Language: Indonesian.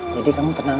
jadi kamu tenang aja